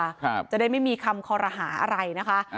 ครับจะได้ไม่มีคำคอรหาอะไรนะคะ